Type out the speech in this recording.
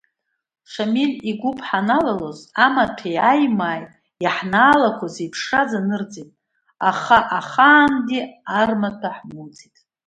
Шамил игәыԥ ҳаналалоз, амаҭәеи аимааи иаҳнаалақәо зеиԥшраз анырҵеит, аха ахаангьы ар маҭәа ҳмоуӡеит.